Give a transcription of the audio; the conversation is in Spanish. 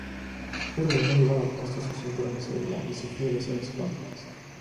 Hurley no llevaba puesto su cinturón de seguridad, y sufrió lesiones crónicas.